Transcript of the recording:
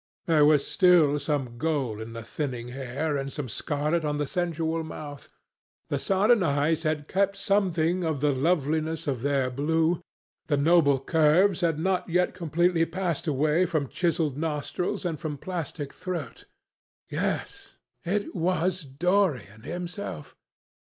There was still some gold in the thinning hair and some scarlet on the sensual mouth. The sodden eyes had kept something of the loveliness of their blue, the noble curves had not yet completely passed away from chiselled nostrils and from plastic throat. Yes, it was Dorian himself.